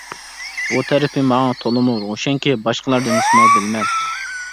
بۇ تەرىپى ماڭا تولىمۇ روشەنكى، باشقىلار دېمىسىمۇ بىلىمەن.